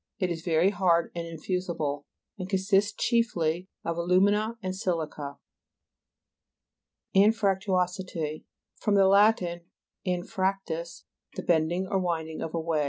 It is very hard and infusible, and consists chiefly of alu'mina and si'lica. AXFRACTUO'SITY Fr. Lat. anfrac tus, the bending or winding of a way.